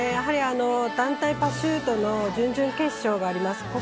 団体パシュートの準々決勝があります。